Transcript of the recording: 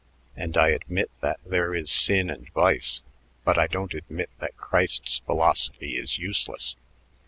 And I admit that there is sin and vice, but I don't admit that Christ's philosophy is useless.